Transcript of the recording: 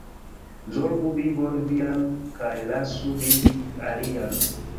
Zorgu vivon vian kaj lasu vivi alian.